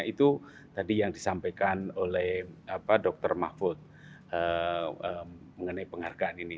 dan itu tadi yang disampaikan oleh dr mahfud mengenai penghargaan ini